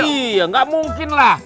iya gak mungkin lah